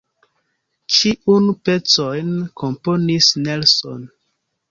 Ĉiun pecojn komponis Nelson.